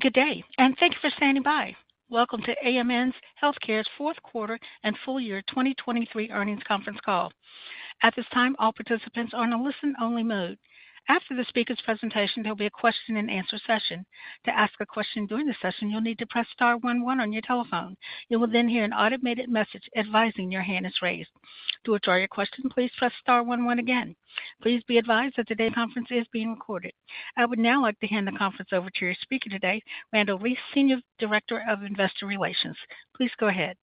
Good day, and thanks for standing by. Welcome to AMN Healthcare's fourth quarter and full year 2023 earnings conference call. At this time, all participants are in a listen-only mode. After the speaker's presentation, there'll be a question-and-answer session. To ask a question during the session, you'll need to press star one one on your telephone. You will then hear an automated message advising your hand is raised. To withdraw your question, please press star one one again. Please be advised that today's conference is being recorded. I would now like to hand the conference over to your speaker today, Randle Reece, Senior Director of Investor Relations. Please go ahead.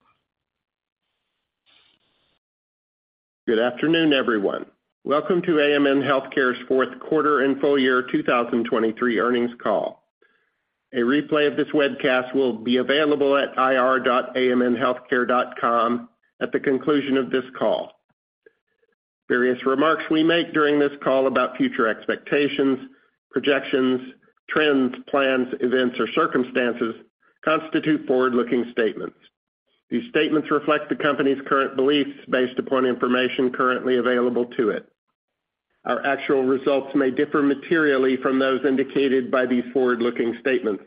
Good afternoon, everyone. Welcome to AMN Healthcare's fourth quarter and full year 2023 earnings call. A replay of this webcast will be available at ir.amnhealthcare.com at the conclusion of this call. Various remarks we make during this call about future expectations, projections, trends, plans, events, or circumstances constitute forward-looking statements. These statements reflect the company's current beliefs based upon information currently available to it. Our actual results may differ materially from those indicated by these forward-looking statements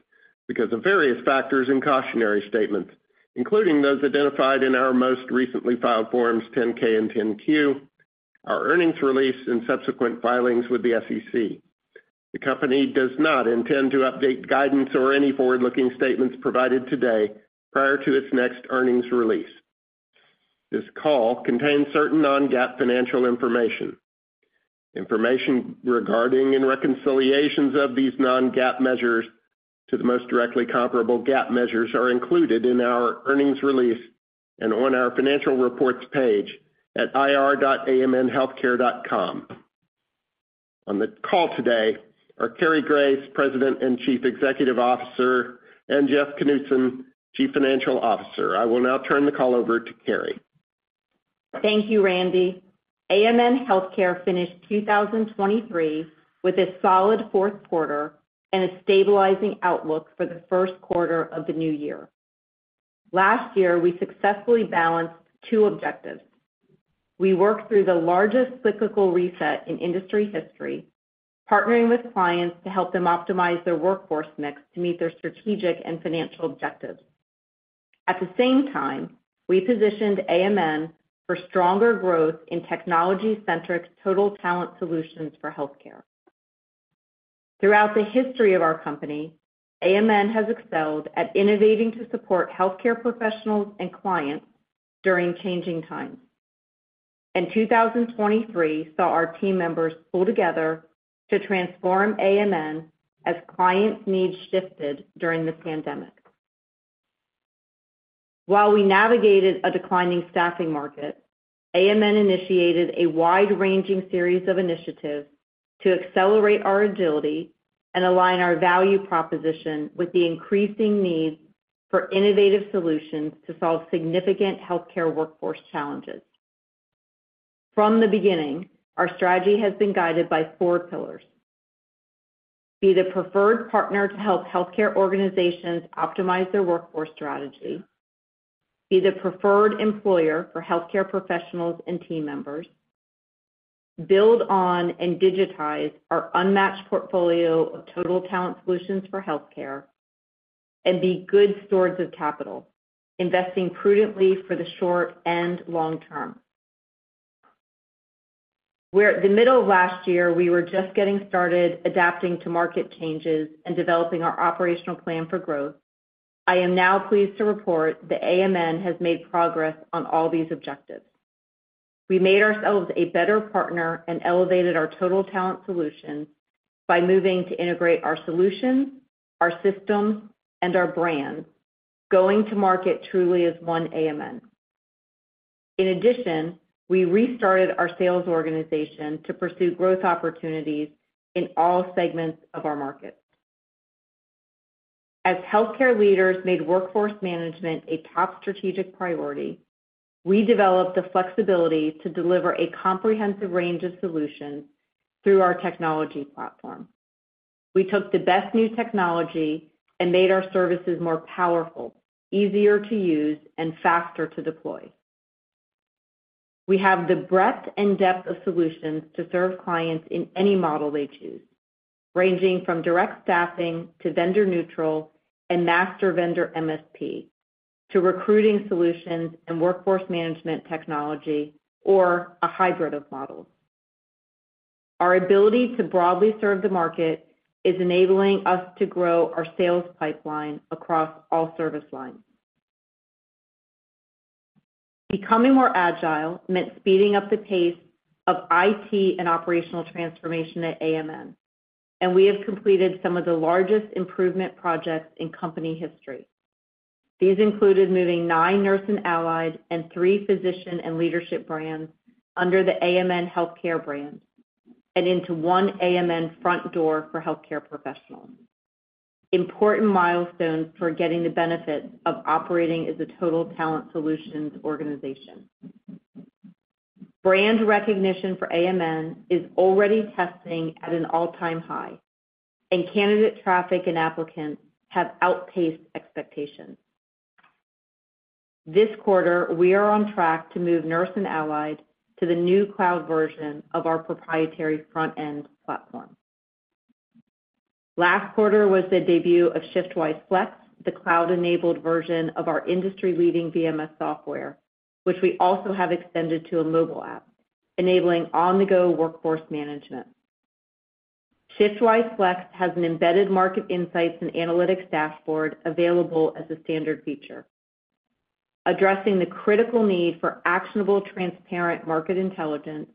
because of various factors and cautionary statements, including those identified in our most recently filed Forms 10-K and 10-Q, our earnings release, and subsequent filings with the SEC. The company does not intend to update guidance or any forward-looking statements provided today prior to its next earnings release. This call contains certain non-GAAP financial information. Information regarding and reconciliations of these non-GAAP measures to the most directly comparable GAAP measures are included in our earnings release and on our financial reports page at ir.amnhealthcare.com. On the call today are Cary Grace, President and Chief Executive Officer, and Jeff Knudson, Chief Financial Officer. I will now turn the call over to Cary. Thank you, Randy. AMN Healthcare finished 2023 with a solid fourth quarter and a stabilizing outlook for the first quarter of the new year. Last year, we successfully balanced two objectives. We worked through the largest cyclical reset in industry history, partnering with clients to help them optimize their workforce mix to meet their strategic and financial objectives. At the same time, we positioned AMN for stronger growth in technology-centric total talent solutions for healthcare. Throughout the history of our company, AMN has excelled at innovating to support healthcare professionals and clients during changing times. 2023 saw our team members pull together to transform AMN as clients' needs shifted during the pandemic. While we navigated a declining staffing market, AMN initiated a wide-ranging series of initiatives to accelerate our agility and align our value proposition with the increasing needs for innovative solutions to solve significant healthcare workforce challenges. From the beginning, our strategy has been guided by four pillars: Be the preferred partner to help healthcare organizations optimize their workforce strategy, be the preferred employer for healthcare professionals and team members, build on and digitize our unmatched portfolio of total talent solutions for healthcare, and be good stewards of capital, investing prudently for the short and long term. Where at the middle of last year, we were just getting started adapting to market changes and developing our operational plan for growth, I am now pleased to report that AMN has made progress on all these objectives. We made ourselves a better partner and elevated our total talent solution by moving to integrate our solutions, our systems, and our brands, going to market truly as OneAMN. In addition, we restarted our sales organization to pursue growth opportunities in all segments of our market. As healthcare leaders made workforce management a top strategic priority, we developed the flexibility to deliver a comprehensive range of solutions through our technology platform. We took the best new technology and made our services more powerful, easier to use, and faster to deploy. We have the breadth and depth of solutions to serve clients in any model they choose, ranging from direct staffing to vendor neutral and master vendor MSP, to recruiting solutions and workforce management technology, or a hybrid of models. Our ability to broadly serve the market is enabling us to grow our sales pipeline across all service lines. Becoming more agile meant speeding up the pace of IT and operational transformation at AMN, and we have completed some of the largest improvement projects in company history. These included moving nine Nurse and Allied and three Physician and Leadership brands under the AMN Healthcare brand and into OneAMN front door for healthcare professionals. Important milestones for getting the benefits of operating as a total talent solutions organization. Brand recognition for AMN is already testing at an all-time high, and candidate traffic and applicants have outpaced expectations. This quarter, we are on track to move Nurse and Allied to the new cloud version of our proprietary front-end platform. Last quarter was the debut of ShiftWise Flex, the cloud-enabled version of our industry-leading VMS software, which we also have extended to a mobile app, enabling on-the-go workforce management. ShiftWise Flex has an embedded market insights and analytics dashboard available as a standard feature. Addressing the critical need for actionable, transparent market intelligence,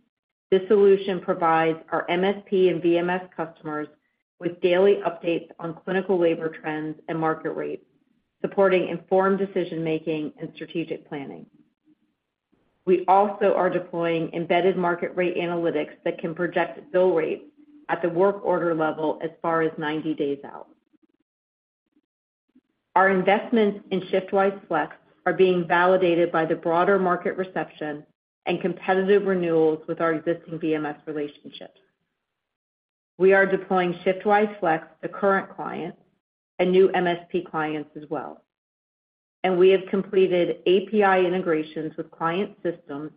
this solution provides our MSP and VMS customers with daily updates on clinical labor trends and market rates, supporting informed decision-making and strategic planning. We also are deploying embedded market rate analytics that can project bill rates at the work order level as far as 90 days out. Our investments in ShiftWise Flex are being validated by the broader market reception and competitive renewals with our existing VMS relationships. We are deploying ShiftWise Flex to current clients and new MSP clients as well, and we have completed API integrations with client systems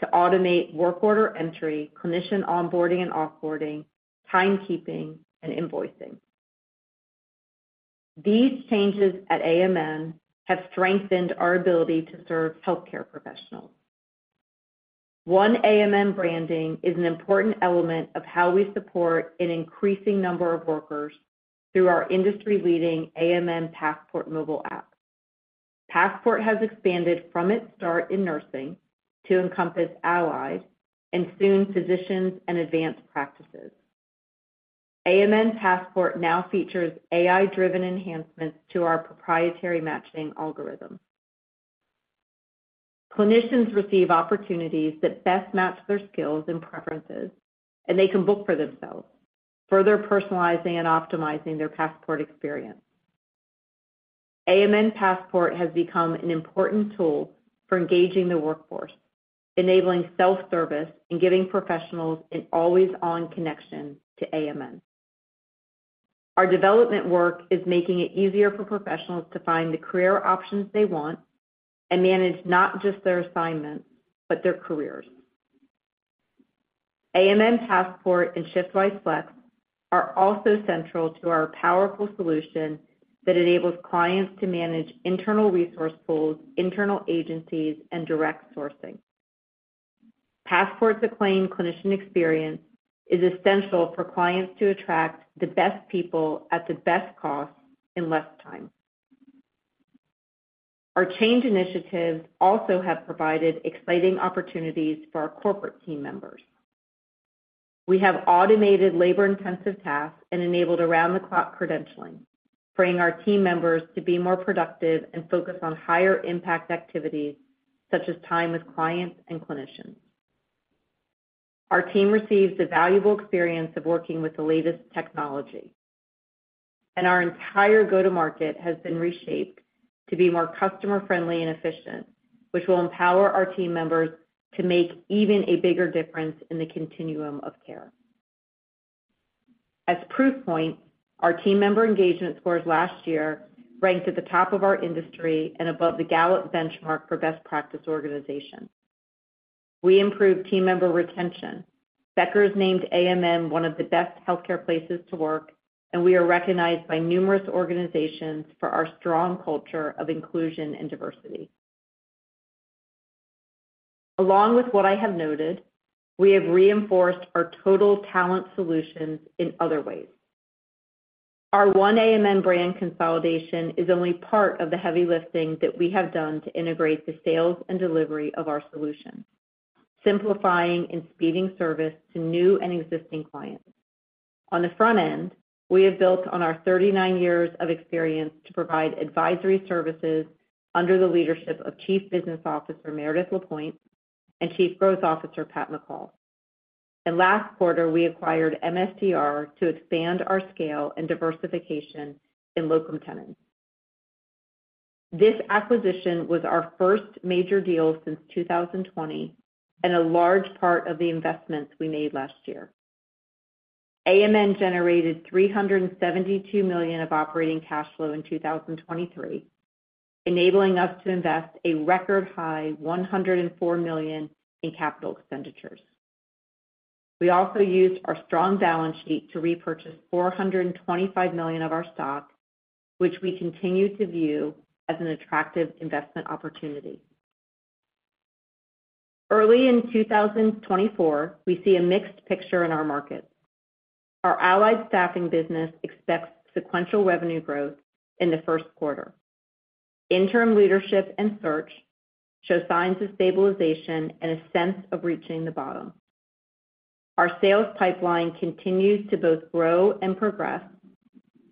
to automate work order entry, clinician onboarding and off-boarding, timekeeping, and invoicing. These changes at AMN have strengthened our ability to serve healthcare professionals. OneAMN branding is an important element of how we support an increasing number of workers through our industry-leading AMN Passport mobile app. Passport has expanded from its start in nursing to encompass allied and soon, physicians and advanced practices. AMN Passport now features AI-driven enhancements to our proprietary matching algorithm. Clinicians receive opportunities that best match their skills and preferences, and they can book for themselves, further personalizing and optimizing their Passport experience. AMN Passport has become an important tool for engaging the workforce, enabling self-service, and giving professionals an always-on connection to AMN. Our development work is making it easier for professionals to find the career options they want and manage not just their assignments, but their careers. AMN Passport and ShiftWise Flex are also central to our powerful solution that enables clients to manage internal resource pools, internal agencies, and direct sourcing. Passport's acclaimed clinician experience is essential for clients to attract the best people at the best cost in less time. Our change initiatives also have provided exciting opportunities for our corporate team members. We have automated labor-intensive tasks and enabled around-the-clock credentialing, freeing our team members to be more productive and focus on higher-impact activities, such as time with clients and clinicians. Our team receives the valuable experience of working with the latest technology, and our entire go-to-market has been reshaped to be more customer-friendly and efficient, which will empower our team members to make even a bigger difference in the continuum of care. As proof point, our team member engagement scores last year ranked at the top of our industry and above the Gallup benchmark for best practice organizations. We improved team member retention. Becker's named AMN one of the best healthcare places to work, and we are recognized by numerous organizations for our strong culture of inclusion and diversity. Along with what I have noted, we have reinforced our total talent solutions in other ways. Our OneAMN brand consolidation is only part of the heavy lifting that we have done to integrate the sales and delivery of our solutions, simplifying and speeding service to new and existing clients. On the front end, we have built on our 39 years of experience to provide advisory services under the leadership of Chief Business Officer, Meredith Lapointe, and Chief Growth Officer, Pat McCall. Last quarter, we acquired MSDR to expand our scale and diversification in locum tenens. This acquisition was our first major deal since 2020, and a large part of the investments we made last year. AMN generated $372 million of operating cash flow in 2023, enabling us to invest a record high $104 million in capital expenditures. We also used our strong balance sheet to repurchase $425 million of our stock, which we continue to view as an attractive investment opportunity. Early in 2024, we see a mixed picture in our markets. Our allied staffing business expects sequential revenue growth in the first quarter. Interim leadership and search show signs of stabilization and a sense of reaching the bottom. Our sales pipeline continues to both grow and progress,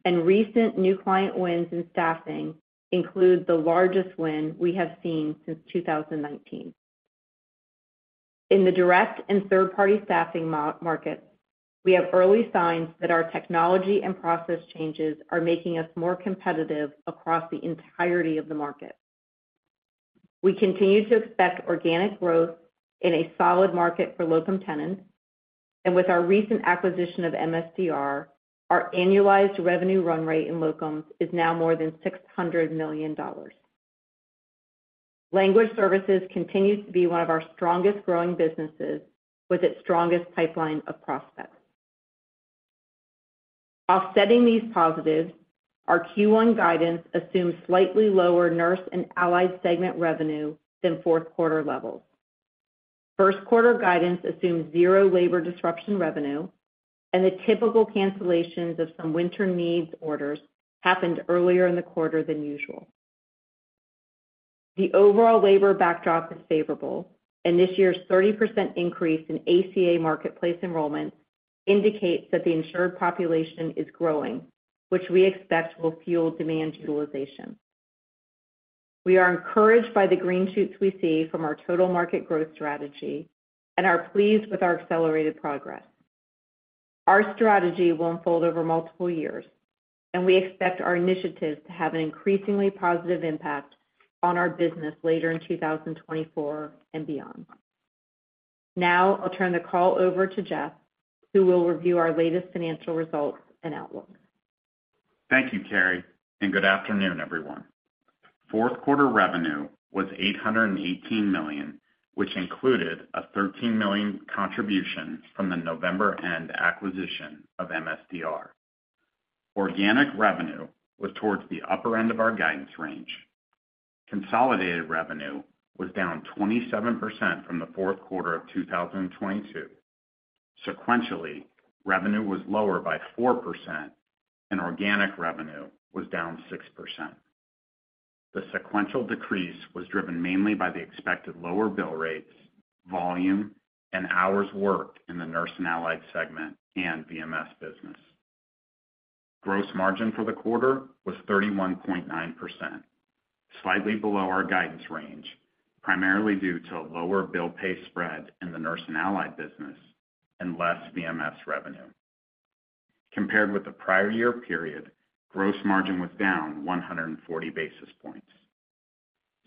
and recent new client wins in staffing include the largest win we have seen since 2019. In the direct and third-party staffing market, we have early signs that our technology and process changes are making us more competitive across the entirety of the market. We continue to expect organic growth in a solid market for locum tenens, and with our recent acquisition of MSDR, our annualized revenue run rate in locums is now more than $600 million. Language services continues to be one of our strongest growing businesses, with its strongest pipeline of prospects. Offsetting these positives, our Q1 guidance assumes slightly lower Nurse and Allied segment revenue than fourth quarter levels. First quarter guidance assumes zero labor disruption revenue, and the typical cancellations of some winter needs orders happened earlier in the quarter than usual. The overall labor backdrop is favorable, and this year's 30% increase in ACA marketplace enrollment indicates that the insured population is growing, which we expect will fuel demand utilization. We are encouraged by the green shoots we see from our total market growth strategy and are pleased with our accelerated progress. Our strategy will unfold over multiple years, and we expect our initiatives to have an increasingly positive impact on our business later in 2024 and beyond. Now I'll turn the call over to Jeff, who will review our latest financial results and outlook. Thank you, Cary, and good afternoon, everyone. Fourth quarter revenue was $818 million, which included a $13 million contribution from the November end acquisition of MSDR. Organic revenue was towards the upper end of our guidance range. Consolidated revenue was down 27% from the fourth quarter of 2022. Sequentially, revenue was lower by 4%, and organic revenue was down 6%. The sequential decrease was driven mainly by the expected lower bill rates, volume, and hours worked in the Nurse and Allied segment and VMS business. Gross margin for the quarter was 31.9%, slightly below our guidance range, primarily due to a lower bill-pay spread in the Nurse and Allied business and less VMS revenue. Compared with the prior year period, gross margin was down 140 basis points.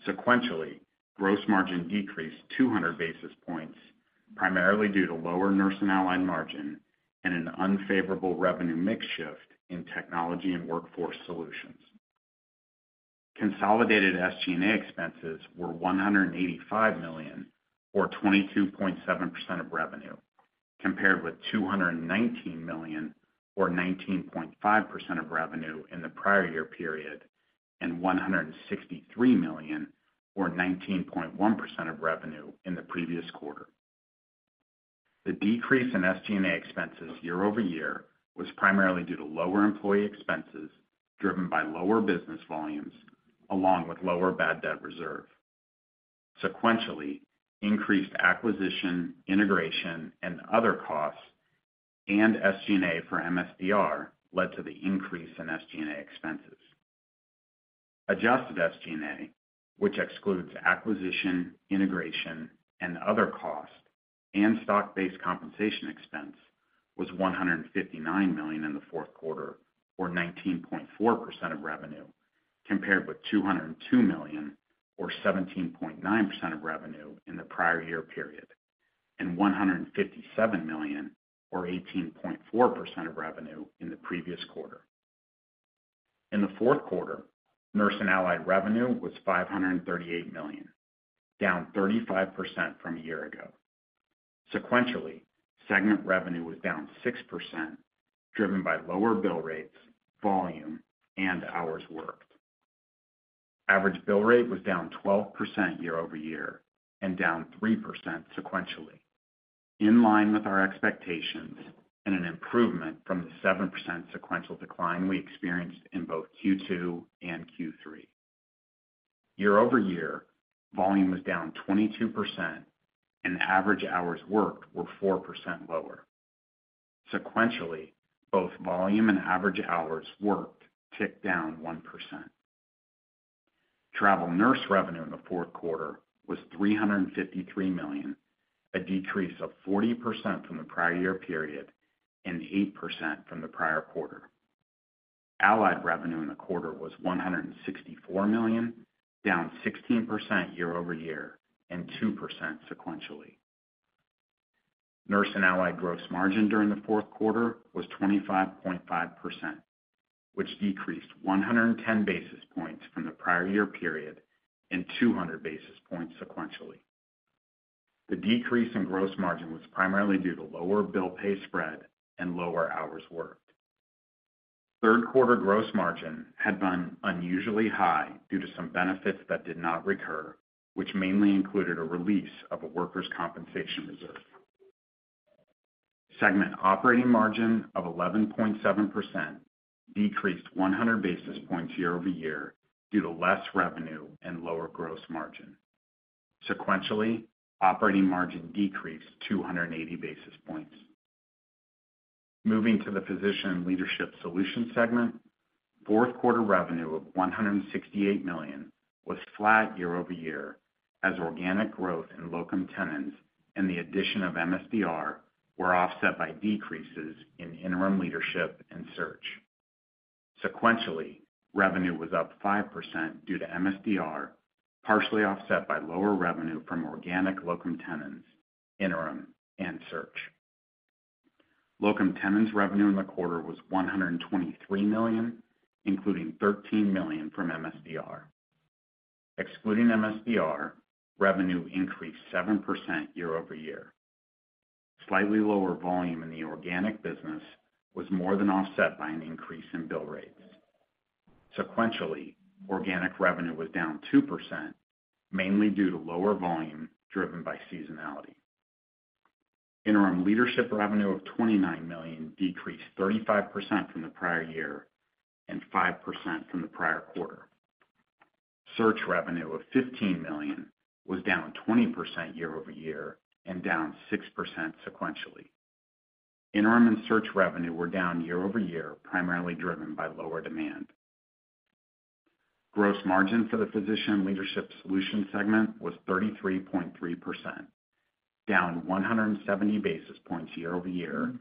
Sequentially, gross margin decreased 200 basis points, primarily due to lower Nurse and Allied margin and an unfavorable revenue mix shift in Technology and Workforce Solutions. Consolidated SG&A expenses were $185 million, or 22.7% of revenue, compared with $219 million, or 19.5% of revenue in the prior year period, and $163 million, or 19.1% of revenue in the previous quarter. The decrease in SG&A expenses year over year was primarily due to lower employee expenses, driven by lower business volumes along with lower bad debt reserve. Sequentially, increased acquisition, integration, and other costs, and SG&A for MSDR led to the increase in SG&A expenses. Adjusted SG&A, which excludes acquisition, integration, and other costs, and stock-based compensation expense, was $159 million in the fourth quarter, or 19.4% of revenue, compared with $202 million, or 17.9% of revenue in the prior year period, and $157 million, or 18.4% of revenue in the previous quarter. In the fourth quarter, Nurse and Allied revenue was $538 million, down 35% from a year ago. Sequentially, segment revenue was down 6%, driven by lower bill rates, volume, and hours worked. Average bill rate was down 12% year-over-year and down 3% sequentially, in line with our expectations and an improvement from the 7% sequential decline we experienced in both Q2 and Q3. Year-over-year, volume was down 22%, and average hours worked were 4% lower. Sequentially, both volume and average hours worked ticked down 1%. Travel nurse revenue in the fourth quarter was $353 million, a decrease of 40% from the prior year period and 8% from the prior quarter. Allied revenue in the quarter was $164 million, down 16% year-over-year and 2% sequentially. Nurse and Allied gross margin during the fourth quarter was 25.5%, which decreased 110 basis points from the prior year period and 200 basis points sequentially. The decrease in gross margin was primarily due to lower bill-pay spread and lower hours worked. Third quarter gross margin had been unusually high due to some benefits that did not recur, which mainly included a release of a workers' compensation reserve. Segment operating margin of 11.7% decreased 100 basis points year-over-year due to less revenue and lower gross margin. Sequentially, operating margin decreased 280 basis points. Moving to the Physician and Leadership Solutions segment, fourth quarter revenue of $168 million was flat year-over-year as organic growth in locum tenens and the addition of MSDR were offset by decreases in interim leadership and search. Sequentially, revenue was up 5% due to MSDR, partially offset by lower revenue from organic locum tenens, interim, and search. Locum tenens revenue in the quarter was $123 million, including $13 million from MSDR. Excluding MSDR, revenue increased 7% year-over-year. Slightly lower volume in the organic business was more than offset by an increase in bill rates. Sequentially, organic revenue was down 2%, mainly due to lower volume driven by seasonality. Interim leadership revenue of $29 million decreased 35% from the prior year, and 5% from the prior quarter. Search revenue of $15 million was down 20% year-over-year and down 6% sequentially. Interim and search revenue were down year-over-year, primarily driven by lower demand. Gross margin for the Physician and Leadership Solutions segment was 33.3%, down 170 basis points year-over-year,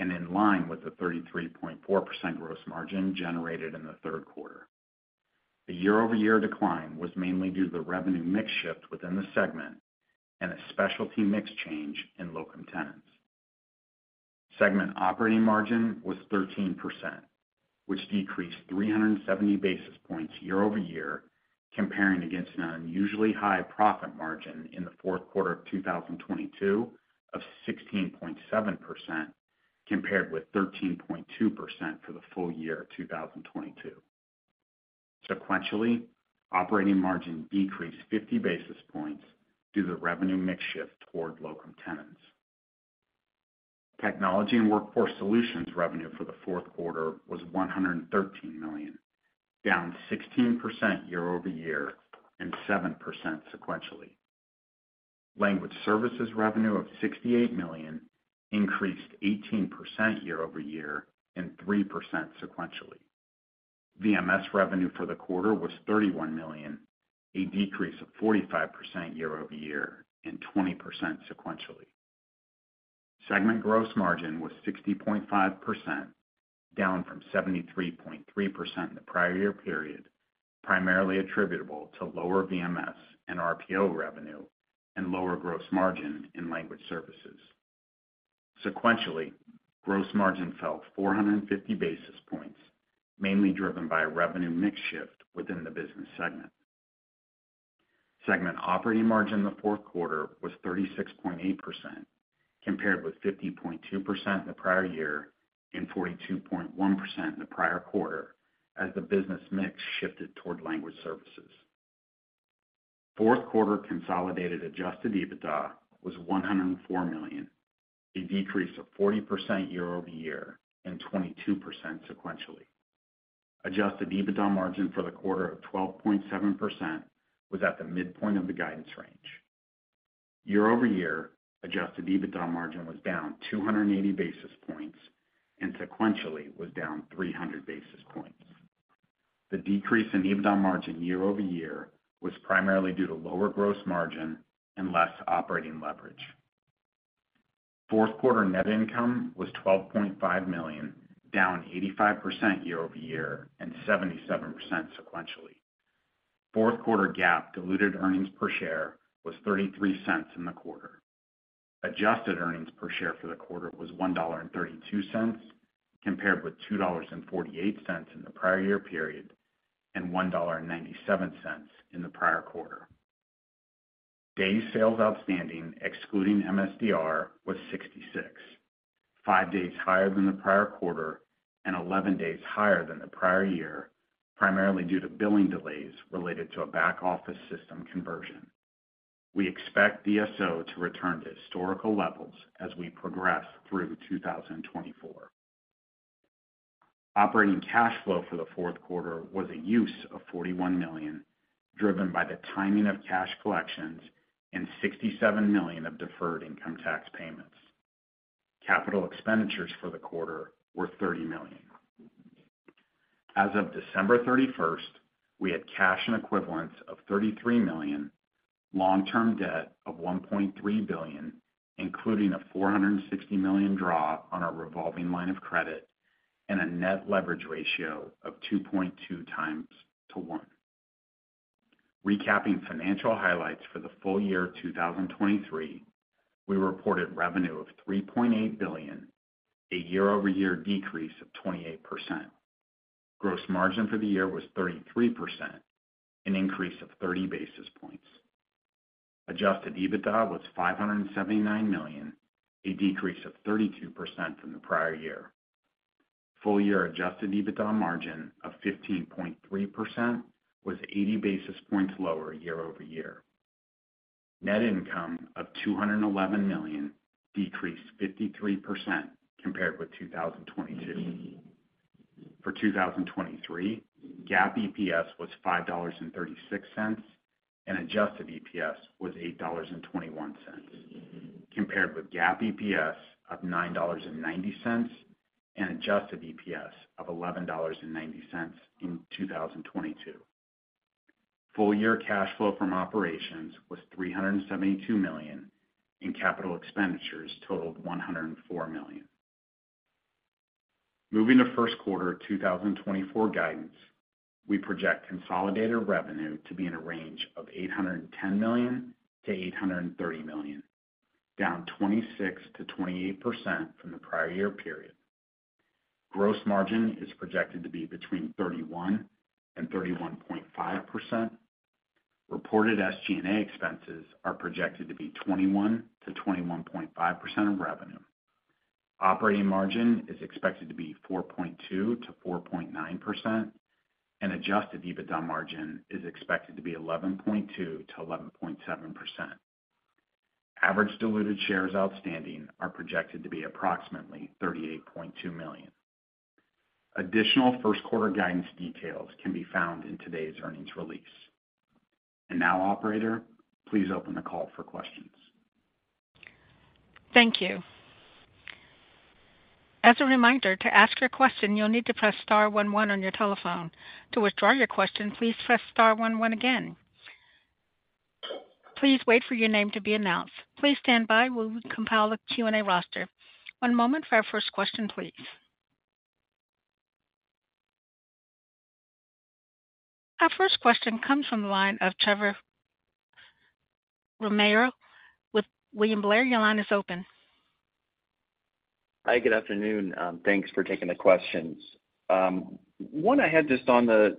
and in line with the 33.4% gross margin generated in the third quarter. The year-over-year decline was mainly due to the revenue mix shift within the segment and a specialty mix change in locum tenens. Segment operating margin was 13%, which decreased 370 basis points year-over-year, comparing against an unusually high profit margin in the fourth quarter of 2022 of 16.7%, compared with 13.2% for the full year of 2022. Sequentially, operating margin decreased 50 basis points due to revenue mix shift toward locum tenens. Technology and Workforce Solutions revenue for the fourth quarter was $113 million, down 16% year-over-year and 7% sequentially. Language services revenue of $68 million increased 18% year-over-year and 3% sequentially. VMS revenue for the quarter was $31 million, a decrease of 45% year-over-year and 20% sequentially. Segment gross margin was 60.5%, down from 73.3% in the prior year period, primarily attributable to lower VMS and RPO revenue, and lower gross margin in language services. Sequentially, gross margin fell 450 basis points, mainly driven by a revenue mix shift within the business segment. Segment operating margin in the fourth quarter was 36.8%, compared with 50.2% in the prior year, and 42.1% in the prior quarter, as the business mix shifted toward language services. Fourth quarter consolidated Adjusted EBITDA was $104 million, a decrease of 40% year-over-year and 22% sequentially. Adjusted EBITDA margin for the quarter of 12.7% was at the midpoint of the guidance range. Year over year, adjusted EBITDA margin was down 280 basis points, and sequentially was down 300 basis points. The decrease in EBITDA margin year over year was primarily due to lower gross margin and less operating leverage. Fourth quarter net income was $12.5 million, down 85% year over year, and 77% sequentially. Fourth quarter GAAP diluted earnings per share was $0.33 in the quarter. Adjusted earnings per share for the quarter was $1.32, compared with $2.48 in the prior year period, and $1.97 in the prior quarter. Days sales outstanding, excluding MSDR, was 66, 5 days higher than the prior quarter and 11 days higher than the prior year, primarily due to billing delays related to a back-office system conversion. We expect DSO to return to historical levels as we progress through 2024. Operating cash flow for the fourth quarter was a use of $41 million, driven by the timing of cash collections and $67 million of deferred income tax payments. Capital expenditures for the quarter were $30 million. As of December 31, we had cash and equivalents of $33 million, long-term debt of $1.3 billion, including a $460 million draw on our revolving line of credit, and a net leverage ratio of 2.2x to 1. Recapping financial highlights for the full year of 2023, we reported revenue of $3.8 billion, a year-over-year decrease of 28%. Gross margin for the year was 33%, an increase of 30 basis points. Adjusted EBITDA was $579 million, a decrease of 32% from the prior year. Full-year adjusted EBITDA margin of 15.3% was 80 basis points lower year-over-year. Net income of $211 million decreased 53% compared with 2022. For 2023, GAAP EPS was $5.36, and adjusted EPS was $8.21, compared with GAAP EPS of $9.90, and adjusted EPS of $11.90 in 2022. Full-year cash flow from operations was $372 million, and capital expenditures totaled $104 million. Moving to first quarter 2024 guidance, we project consolidated revenue to be in a range of $810 million-$830 million, down 26%-28% from the prior year period. Gross margin is projected to be 31%-31.5%. Reported SG&A expenses are projected to be 21%-21.5% of revenue. Operating margin is expected to be 4.2%-4.9%, and Adjusted EBITDA margin is expected to be 11.2%-11.7%. Average diluted shares outstanding are projected to be approximately 38.2 million. Additional first quarter guidance details can be found in today's earnings release. And now, operator, please open the call for questions. Thank you. As a reminder, to ask your question, you'll need to press star one one on your telephone. To withdraw your question, please press star one one again. Please wait for your name to be announced. Please stand by while we compile the Q&A roster. One moment for our first question, please. Our first question comes from the line of Trevor Romeo with William Blair. Your line is open. Hi, good afternoon. Thanks for taking the questions. One I had just on the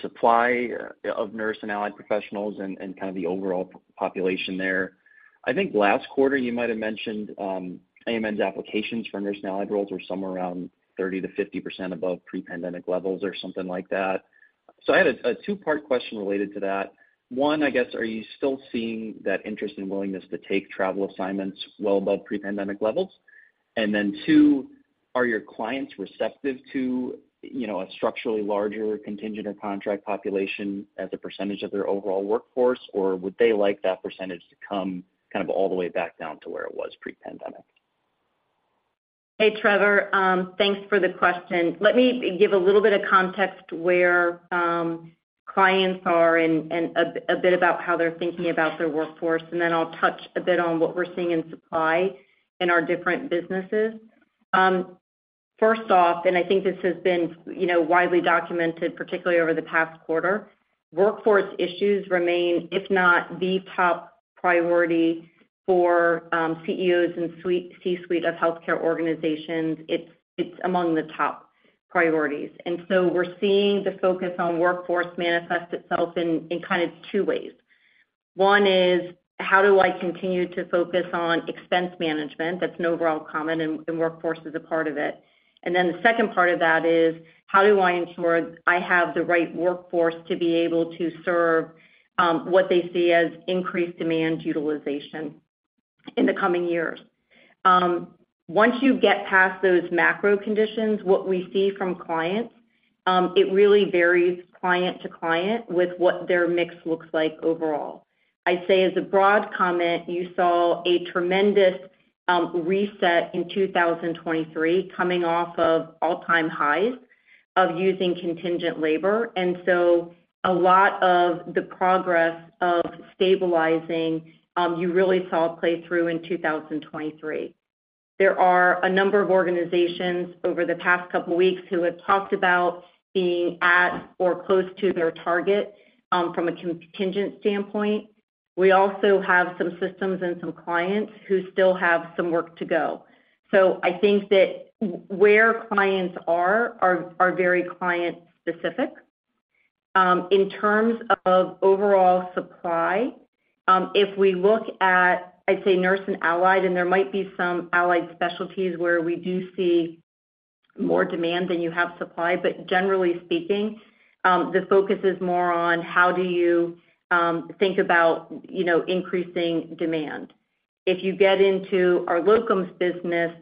supply of Nurse and Allied professionals and kind of the overall population there. I think last quarter you might have mentioned AMN's applications for Nurse and Allied roles were somewhere around 30%-50% above pre-pandemic levels or something like that. So I had a two-part question related to that. One, I guess, are you still seeing that interest and willingness to take travel assignments well above pre-pandemic levels? And then two, are your clients receptive to, you know, a structurally larger contingent or contract population as a percentage of their overall workforce, or would they like that percentage to come kind of all the way back down to where it was pre-pandemic? Hey, Trevor, thanks for the question. Let me give a little bit of context where clients are and a bit about how they're thinking about their workforce, and then I'll touch a bit on what we're seeing in supply in our different businesses. First off, and I think this has been, you know, widely documented, particularly over the past quarter, workforce issues remain, if not the top priority for CEOs and C-suite of healthcare organizations. It's among the top priorities. And so we're seeing the focus on workforce manifest itself in kind of two ways. One is: How do I continue to focus on expense management? That's an overall comment, and workforce is a part of it. Then the second part of that is: How do I ensure I have the right workforce to be able to serve what they see as increased demand utilization in the coming years? Once you get past those macro conditions, what we see from clients, it really varies client to client with what their mix looks like overall. I'd say as a broad comment, you saw a tremendous reset in 2023, coming off of all-time highs of using contingent labor. So a lot of the progress of stabilizing, you really saw play through in 2023. There are a number of organizations over the past couple weeks who have talked about being at or close to their target from a contingent standpoint. We also have some systems and some clients who still have some work to go. So I think that where clients are are very client-specific. In terms of overall supply, if we look at, I'd say, Nurse and Allied, and there might be some allied specialties where we do see more demand than you have supply, but generally speaking, the focus is more on how do you think about, you know, increasing demand. If you get into our locums business,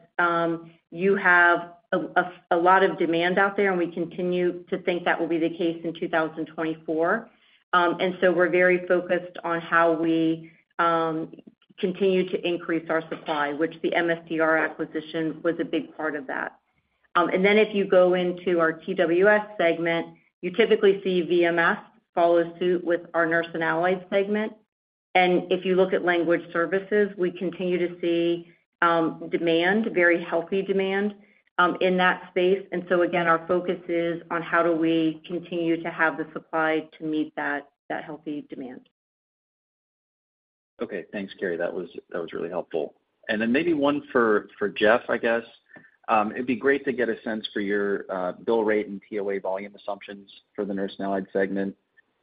you have a lot of demand out there, and we continue to think that will be the case in 2024. And so we're very focused on how we continue to increase our supply, which the MSDR acquisition was a big part of that. And then if you go into our TWS segment, you typically see VMS follow suit with our Nurse and Allied segment. If you look at language services, we continue to see demand, very healthy demand in that space. So again, our focus is on how do we continue to have the supply to meet that, that healthy demand. Okay, thanks, Cary. That was, that was really helpful. And then maybe one for, for Jeff, I guess. It'd be great to get a sense for your bill rate and TOA volume assumptions for the Nurse and Allied segment,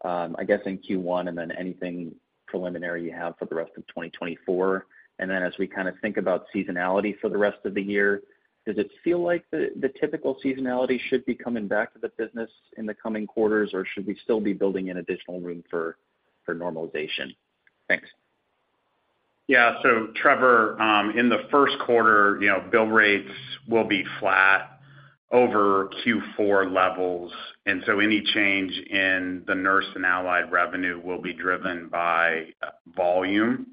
I guess in Q1, and then anything preliminary you have for the rest of 2024. And then as we kind of think about seasonality for the rest of the year, does it feel like the, the typical seasonality should be coming back to the business in the coming quarters, or should we still be building in additional room for, for normalization? Thanks. Yeah. So Trevor, in the first quarter, you know, bill rates will be flat over Q4 levels, and so any change in the Nurse and Allied revenue will be driven by volume.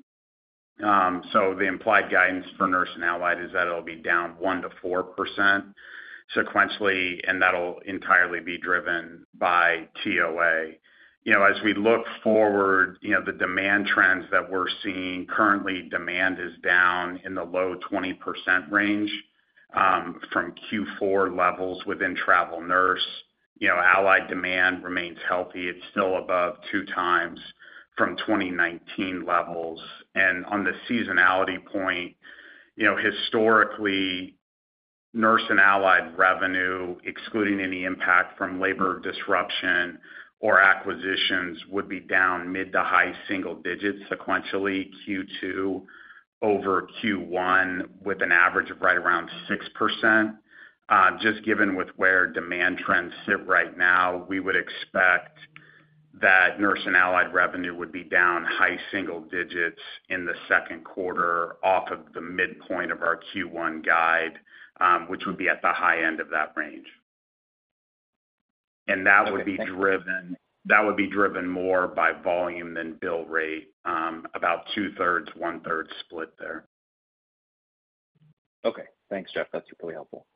So the implied guidance for Nurse and Allied is that it'll be down 1%-4% sequentially, and that'll entirely be driven by TOA. You know, as we look forward, you know, the demand trends that we're seeing, currently demand is down in the low 20% range from Q4 levels within Travel Nurse. You know, Allied demand remains healthy. It's still above 2 times from 2019 levels. And on the seasonality point, you know, historically, Nurse and Allied revenue, excluding any impact from labor disruption or acquisitions, would be down mid- to high-single digits sequentially, Q2 over Q1, with an average of right around 6%. Just given with where demand trends sit right now, we would expect that Nurse and Allied revenue would be down high single digits in the second quarter off of the midpoint of our Q1 guide, which would be at the high end of that range. That would be driven, that would be driven more by volume than bill rate, about 2/3, 1/3 split there. Okay. Thanks, Jeff. That's really helpful.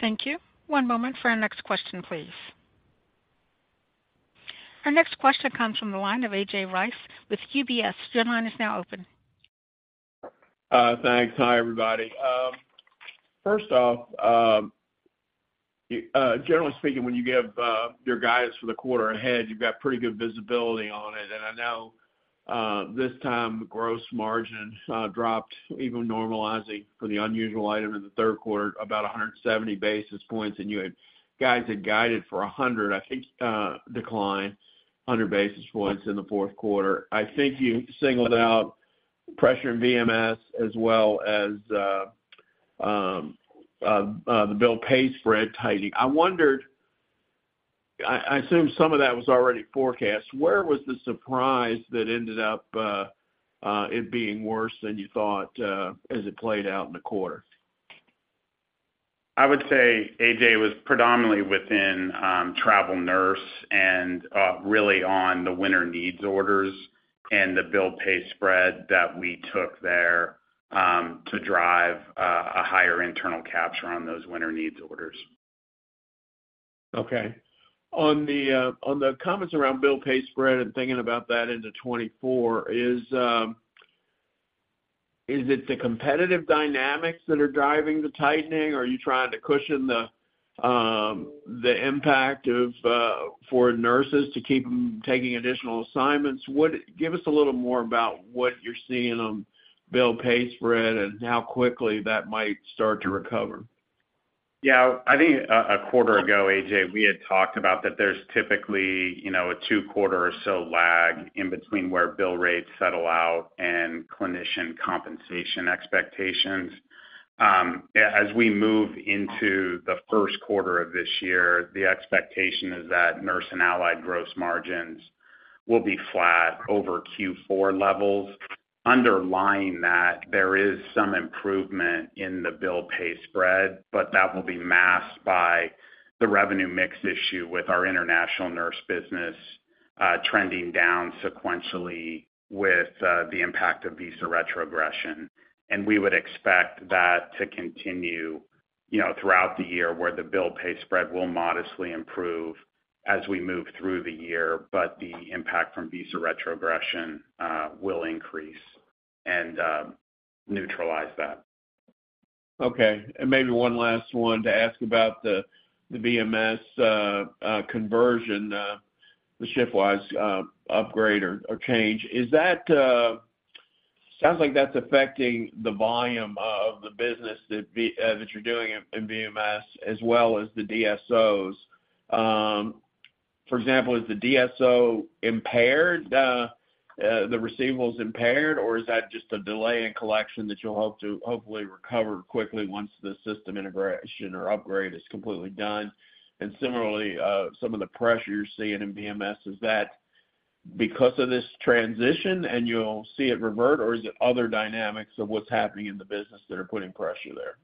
Thank you. One moment for our next question, please. Our next question comes from the line of A.J. Rice with UBS. Your line is now open. Thanks. Hi, everybody. First off, generally speaking, when you give your guidance for the quarter ahead, you've got pretty good visibility on it. And I know this time, gross margin dropped, even normalizing for the unusual item in the third quarter, about 170 basis points, and you had guys had guided for a hundred, I think, decline, 100 basis points in the fourth quarter. I think you singled out pressure in VMS as well as the bill-pay spread tightening. I wondered, I assume some of that was already forecast. Where was the surprise that ended up it being worse than you thought as it played out in the quarter? I would say, A.J., it was predominantly within Travel Nurse and really on the winter needs orders and the bill-pay spread that we took there to drive a higher internal capture on those winter needs orders. Okay. On the comments around bill-pay spread and thinking about that into 2024, is it the competitive dynamics that are driving the tightening, or are you trying to cushion the impact of for nurses to keep them taking additional assignments? What? Give us a little more about what you're seeing on bill-pay spread and how quickly that might start to recover. Yeah, I think, a quarter ago, A.J., we had talked about that there's typically, you know, a two-quarter or so lag in between where bill rates settle out and clinician compensation expectations. As we move into the first quarter of this year, the expectation is that Nurse and Allied gross margins will be flat over Q4 levels. Underlying that, there is some improvement in the bill-pay spread, but that will be masked by the revenue mix issue with our international nurse business, trending down sequentially with the impact of visa retrogression. And we would expect that to continue, you know, throughout the year, where the bill-pay spread will modestly improve as we move through the year, but the impact from visa retrogression will increase and neutralize that. Okay, and maybe one last one to ask about the, the VMS conversion, the ShiftWise upgrade or change. Is that... Sounds like that's affecting the volume of the business that you're doing in VMS, as well as the DSOs. For example, is the DSO impaired, the receivables impaired, or is that just a delay in collection that you'll hope to hopefully recover quickly once the system integration or upgrade is completely done? And similarly, some of the pressure you're seeing in VMS, is that because of this transition, and you'll see it revert, or is it other dynamics of what's happening in the business that are putting pressure there?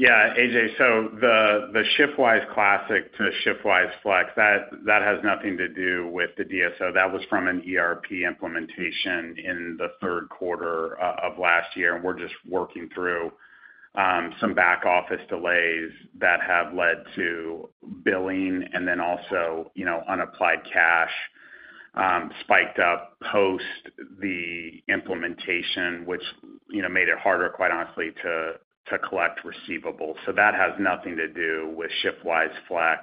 Yeah, A.J., so the ShiftWise classic to the ShiftWise Flex, that has nothing to do with the DSO. That was from an ERP implementation in the third quarter of last year, and we're just working through some back-office delays that have led to billing and then also, you know, unapplied cash spiked up post the implementation, which, you know, made it harder, quite honestly, to collect receivables. So that has nothing to do with ShiftWise Flex.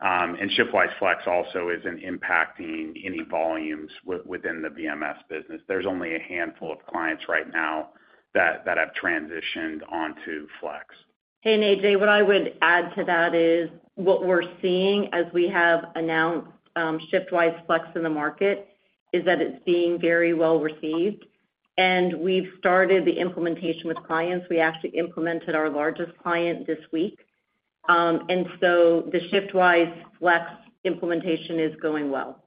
And ShiftWise Flex also isn't impacting any volumes within the VMS business. There's only a handful of clients right now that have transitioned onto Flex. Hey, A.J., what I would add to that is, what we're seeing as we have announced, ShiftWise Flex in the market, is that it's being very well-received, and we've started the implementation with clients. We actually implemented our largest client this week. And so the ShiftWise Flex implementation is going well.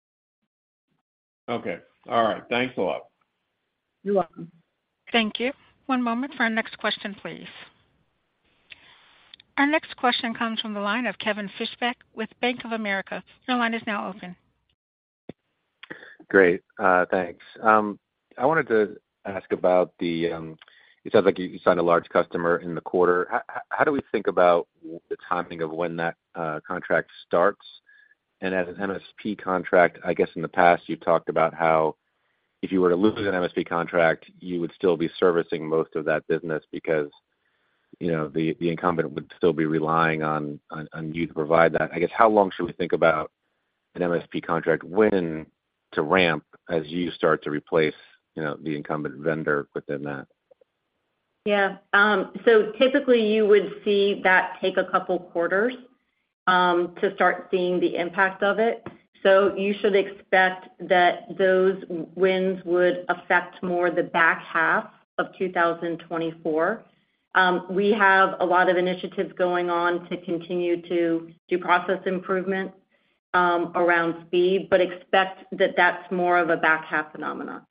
Okay. All right. Thanks a lot. You're welcome. Thank you. One moment for our next question, please. Our next question comes from the line of Kevin Fischbeck with Bank of America. Your line is now open. Great. Thanks. I wanted to ask about the, it sounds like you signed a large customer in the quarter. How do we think about the timing of when that contract starts? And as an MSP contract, I guess in the past, you've talked about how if you were to lose an MSP contract, you would still be servicing most of that business because, you know, the incumbent would still be relying on you to provide that. I guess, how long should we think about an MSP contract when to ramp as you start to replace, you know, the incumbent vendor within that? Yeah. So typically, you would see that take a couple quarters, to start seeing the impact of it. So you should expect that those wins would affect more the back half of 2024. We have a lot of initiatives going on to continue to do process improvement, around speed, but expect that that's more of a back half phenomena.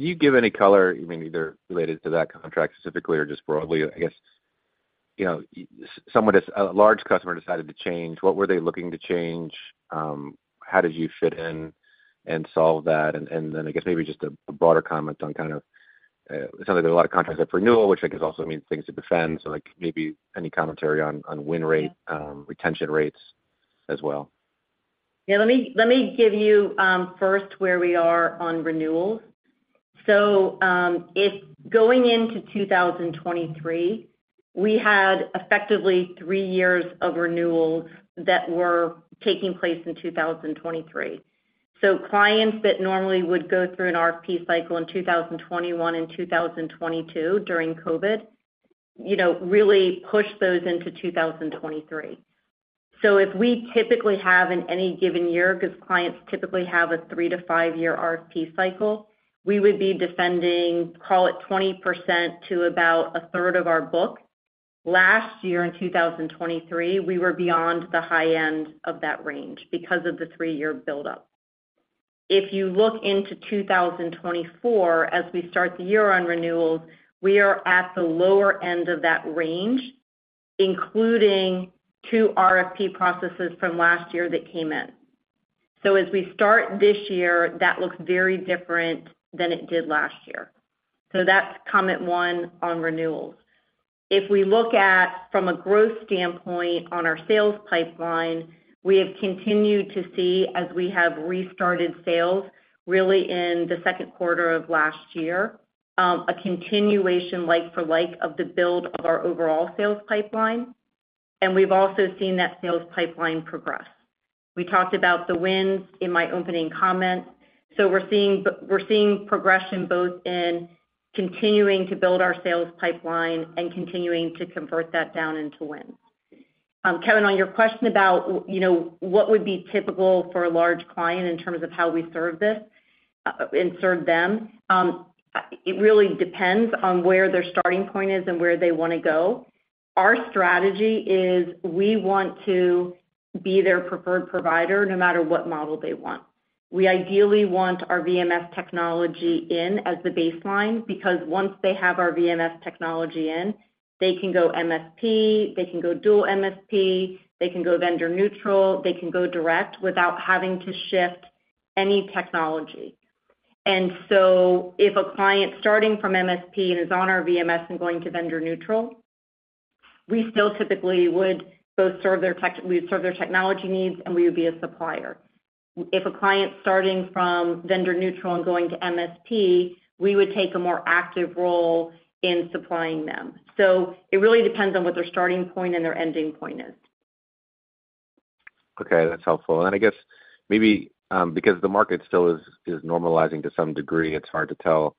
Can you give any color, I mean, either related to that contract specifically or just broadly, I guess, you know, someone, a large customer decided to change? What were they looking to change? How did you fit in and solve that? And then I guess maybe just a broader comment on kind of, it sounds like there's a lot of contracts up for renewal, which I guess also means things to defend. So like, maybe any commentary on win rate, retention rates as well? Yeah, let me, let me give you first where we are on renewals. So, if going into 2023, we had effectively three years of renewals that were taking place in 2023. So clients that normally would go through an RFP cycle in 2021 and 2022, during COVID, you know, really pushed those into 2023. So if we typically have in any given year, because clients typically have a three to five-year RFP cycle, we would be defending, call it 20% to about a third of our book. Last year, in 2023, we were beyond the high end of that range because of the three-year buildup. If you look into 2024, as we start the year on renewals, we are at the lower end of that range, including two RFP processes from last year that came in. So as we start this year, that looks very different than it did last year. So that's comment one on renewals. If we look at, from a growth standpoint on our sales pipeline, we have continued to see, as we have restarted sales, really in the second quarter of last year, a continuation like for like of the build of our overall sales pipeline, and we've also seen that sales pipeline progress. We talked about the wins in my opening comments. So we're seeing progression both in continuing to build our sales pipeline and continuing to convert that down into wins. Kevin, on your question about what would be typical for a large client in terms of how we serve this, and serve them, it really depends on where their starting point is and where they want to go. Our strategy is we want to be their preferred provider, no matter what model they want. We ideally want our VMS technology in as the baseline, because once they have our VMS technology in, they can go MSP, they can go dual MSP, they can go vendor neutral, they can go direct without having to shift any technology. And so if a client starting from MSP and is on our VMS and going to vendor neutral, we still typically would both serve their tech-- we would serve their technology needs, and we would be a supplier. If a client starting from vendor neutral and going to MSP, we would take a more active role in supplying them. It really depends on what their starting point and their ending point there. Okay, that's helpful. And I guess maybe, because the market still is normalizing to some degree, it's hard to tell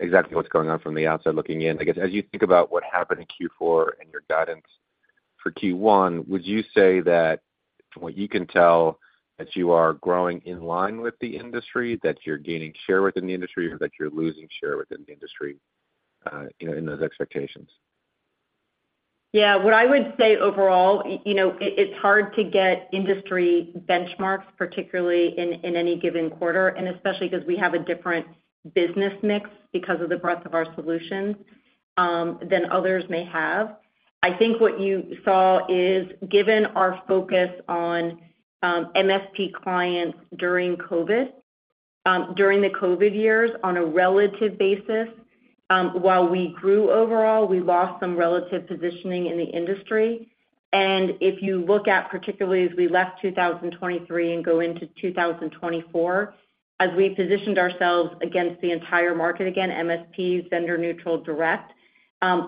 exactly what's going on from the outside looking in. I guess, as you think about what happened in Q4 and your guidance for Q1, would you say that, from what you can tell, that you are growing in line with the industry, that you're gaining share within the industry, or that you're losing share within the industry, you know, in those expectations? Yeah. What I would say overall, you know, it's hard to get industry benchmarks, particularly in any given quarter, and especially because we have a different business mix because of the breadth of our solutions, than others may have. I think what you saw is, given our focus on MSP clients during COVID, during the COVID years, on a relative basis, while we grew overall, we lost some relative positioning in the industry. And if you look at, particularly as we left 2023 and go into 2024, as we positioned ourselves against the entire market, again, MSP, vendor neutral, direct,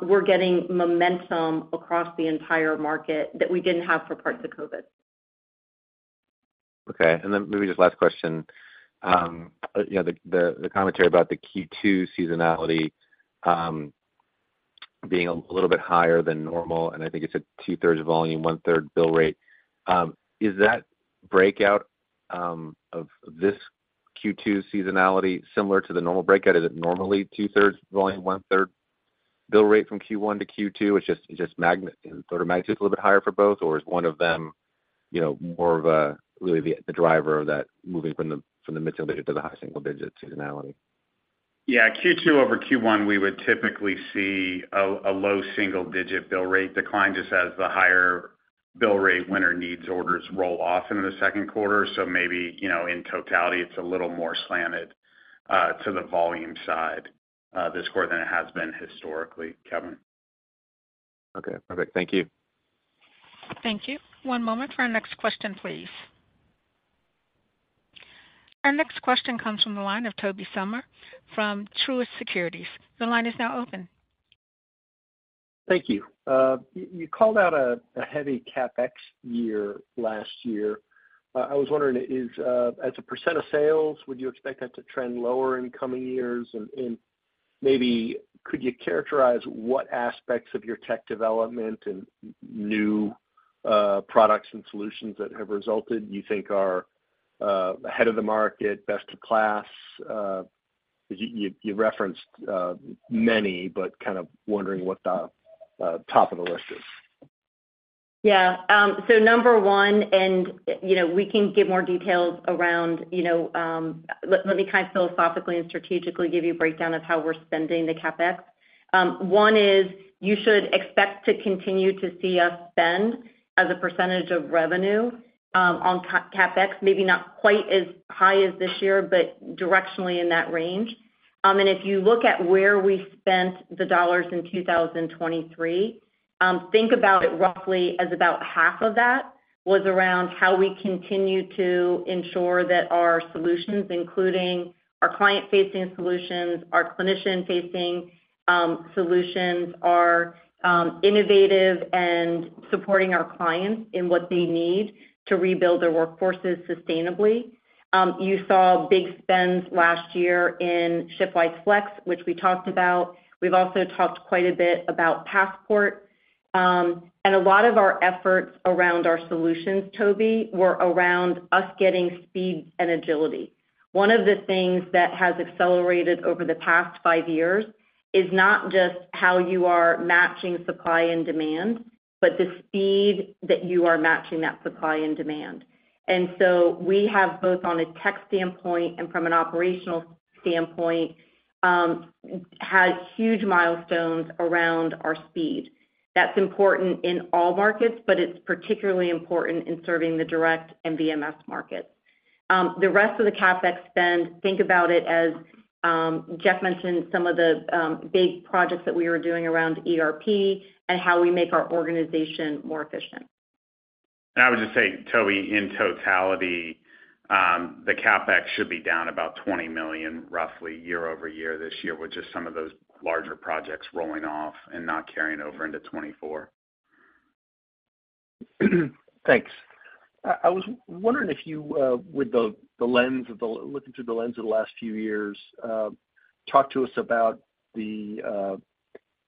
we're getting momentum across the entire market that we didn't have for parts of COVID. Okay. And then maybe just last question. You know, the commentary about the Q2 seasonality being a little bit higher than normal, and I think it's a 2/3 volume, 1/3 bill rate. Is that breakdown of this Q2 seasonality similar to the normal breakdown? Is it normally 2/3 volume, 1/3 bill rate from Q1 to Q2? It's just magnified, sort of, a little bit higher for both, or is one of them, you know, more of the real driver of that moving from the mid-single to the high single digit seasonality? Yeah, Q2 over Q1, we would typically see a low single-digit bill rate decline, just as the higher bill rate winter needs orders roll off into the second quarter. So maybe, you know, in totality, it's a little more slanted to the volume side this quarter than it has been historically, Kevin. Okay, perfect. Thank you. Thank you. One moment for our next question, please. Our next question comes from the line of Tobey Sommer from Truist Securities. Your line is now open. Thank you. You called out a heavy CapEx year last year. I was wondering, as a percent of sales, would you expect that to trend lower in coming years? And maybe could you characterize what aspects of your tech development and new products and solutions that have resulted, you think are ahead of the market, best of class? You referenced many, but kind of wondering what the top of the list is. Yeah, so number one, you know, we can give more details around, you know, let me kind of philosophically and strategically give you a breakdown of how we're spending the CapEx. One is, you should expect to continue to see us spend as a percentage of revenue, on CapEx, maybe not quite as high as this year, but directionally in that range. And if you look at where we spent the dollars in 2023, think about it roughly as about half of that was around how we continue to ensure that our solutions, including our client-facing solutions, our clinician-facing solutions, are innovative and supporting our clients in what they need to rebuild their workforces sustainably. You saw big spends last year in ShiftWise Flex, which we talked about. We've also talked quite a bit about Passport. And a lot of our efforts around our solutions, Tobey, were around us getting speed and agility. One of the things that has accelerated over the past five years is not just how you are matching supply and demand, but the speed that you are matching that supply and demand. And so we have, both on a tech standpoint and from an operational standpoint, had huge milestones around our speed. That's important in all markets, but it's particularly important in serving the direct and VMS markets. The rest of the CapEx spend, think about it as, Jeff mentioned, some of the big projects that we were doing around ERP and how we make our organization more efficient. I would just say, Tobey, in totality, the CapEx should be down about $20 million, roughly year-over-year this year, with just some of those larger projects rolling off and not carrying over into 2024. Thanks. I was wondering if you, looking through the lens of the last few years, talk to us about the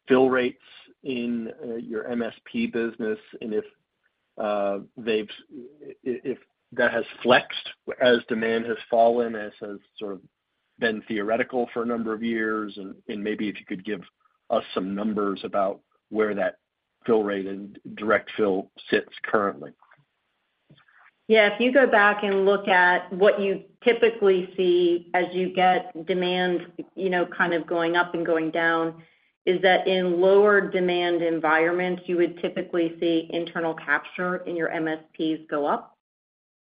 bill rates in your MSP business and if that has flexed as demand has fallen, as has sort of been theoretical for a number of years. And maybe if you could give us some numbers about where that bill rate and direct bill sits currently. Yeah, if you go back and look at what you typically see as you get demand, you know, kind of going up and going down, is that in lower demand environments, you would typically see internal capture in your MSPs go up.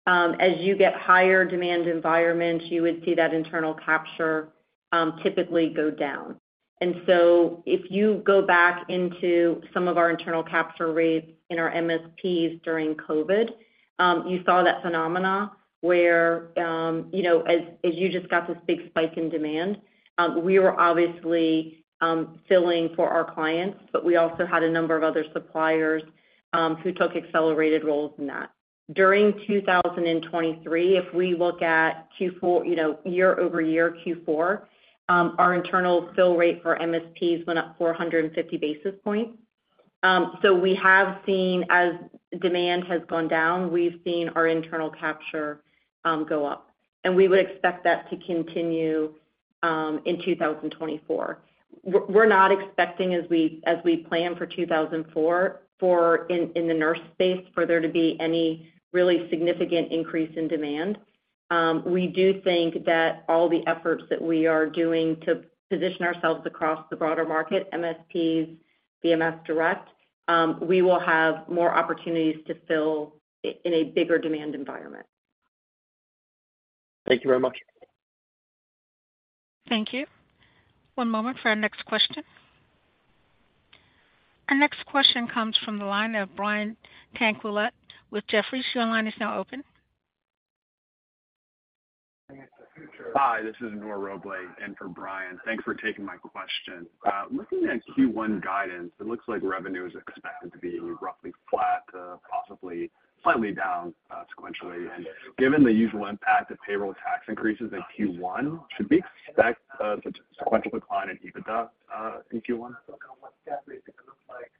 As you get higher demand environments, you would see that internal capture, typically go down. And so if you go back into some of our internal capture rates in our MSPs during COVID, you saw that phenomena where, you know, as, as you just got this big spike in demand, we were obviously, filling for our clients, but we also had a number of other suppliers, who took accelerated roles in that. During 2023, if we look at Q4, you know, year over year, Q4, our internal fill rate for MSPs went up 450 basis points. So we have seen, as demand has gone down, we've seen our internal capture go up, and we would expect that to continue in 2024. We're not expecting, as we plan for 2024, for, in the nurse space, for there to be any really significant increase in demand. We do think that all the efforts that we are doing to position ourselves across the broader market, MSPs, VMS Direct, we will have more opportunities to fill in a bigger demand environment. Thank you very much. Thank you. One moment for our next question. Our next question comes from the line of Brian Tanquilut with Jefferies. Your line is now open. Hi, this is Nur Robleh in for Brian. Thanks for taking my question. Looking at Q1 guidance, it looks like revenue is expected to be roughly flat to possibly slightly down sequentially. And given the usual impact of payroll tax increases in Q1, should we expect sequential decline in EBITDA in Q1? Kind of what that basically looks like.